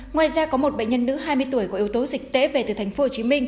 ngoài ra có một bệnh nhân nữ hai mươi tuổi có yếu tố dịch tễ về từ tp hcm